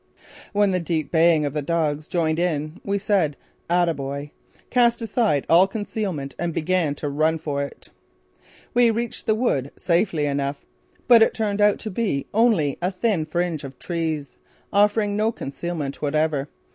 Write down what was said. When the deep baying of the dogs joined in we said "Ataboy!" cast aside all concealment and began to run for it. We reached the wood safely enough, but it turned out to be only a thin fringe of trees, offering no concealment whatever.